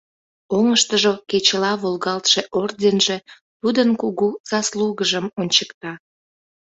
Оҥыштыжо кечыла волгалтше орденже тудын кугу заслугыжым ончыкта.